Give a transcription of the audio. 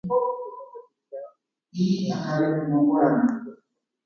Heta tapicha oĩkuri upe aty guasúpe.